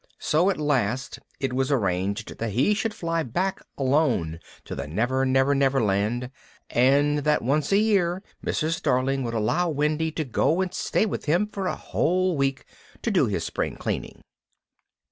So at last it was arranged that he should fly back alone to the Never Never Never Land, and that once a year Mrs. Darling would allow Wendy to go and stay with him for a whole week to do his spring cleaning.